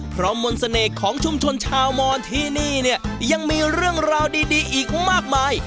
เพราะมนต์เสน่ห์ของชุมชนชาวมอนที่นี่เนี่ยยังมีเรื่องราวดีอีกมากมาย